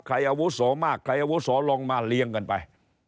อาวุโสมากใครอาวุโสลงมาเลี้ยงกันไป